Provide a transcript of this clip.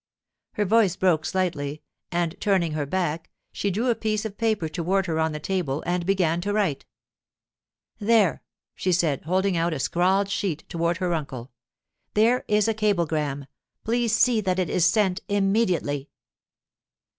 Her voice broke slightly, and, turning her back, she drew a piece of paper toward her on the table and began to write. 'There,' she said, holding out a scrawled sheet toward her uncle. 'There is a cablegram. Please see that it is sent immediately.